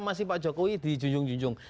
masih pak jokowi dijunjung junjung